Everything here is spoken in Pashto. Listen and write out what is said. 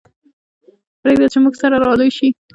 پرېږده چې موږ سره را لوی شي.